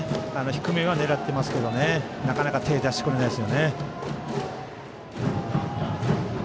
低めは狙ってますけどなかなか手を出してくれないです。